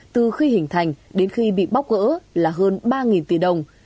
từ khi hình thành đến khi bị bóc gỡ là hơn ba tỷ đồng